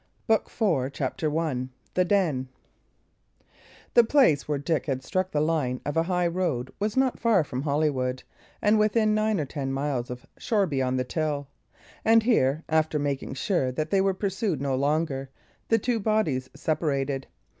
BOOK IV THE DISGUISE CHAPTER I THE DEN The place where Dick had struck the line of a high road was not far from Holywood, and within nine or ten miles of Shoreby on the Till; and here, after making sure that they were pursued no longer, the two bodies separated.